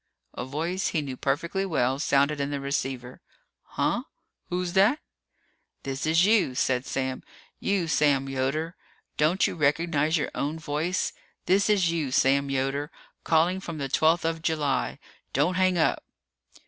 A voice he knew perfectly well sounded in the receiver. "Huh? Who's that?" "This is you," said Sam. "You, Sam Yoder. Don't you recognize your own voice? This is you, Sam Yoder, calling from the twelfth of July. Don't hang up!"